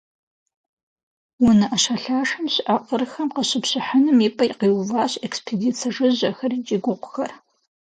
Унэ ӏэшэлъашэм щыӏэ къырхэм къыщыпщыхьыным и пӏэ къиуващ экспедицэ жыжьэхэр икӏи гугъухэр.